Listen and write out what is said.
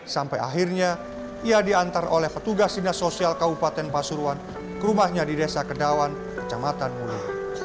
sampai akhirnya ia diantar oleh petugas dinas sosial kabupaten pasuruan ke rumahnya di desa kedawan kecamatan mulu